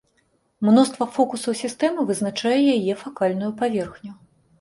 Мноства фокусаў сістэмы вызначае яе факальную паверхню.